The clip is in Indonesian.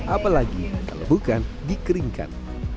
apalagi kalau bukan dikeringkan